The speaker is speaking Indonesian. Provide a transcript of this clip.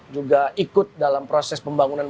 juga ikut dalam proses pembangunan